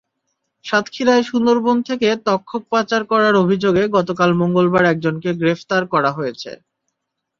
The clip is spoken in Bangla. সাতক্ষীরায় সুন্দরবন থেকে তক্ষক পাচার করার অভিযোগে গতকাল মঙ্গলবার একজনকে গ্রেপ্তার করা হয়েছে।